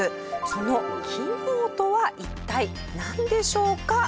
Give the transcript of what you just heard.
その機能とは一体なんでしょうか？